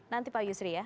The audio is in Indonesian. nanti pak yusri ya